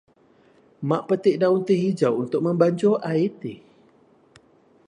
Mak petik daun teh hijau untuk membancuh air teh.